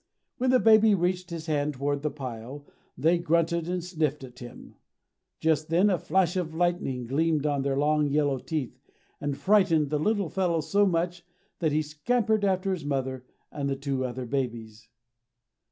When the baby reached his hand toward the pile they grunted and sniffed at him. Just then a flash of lightning gleamed on their long, yellow teeth, and frightened the little fellow so much that he scampered after his mother and the two other babies.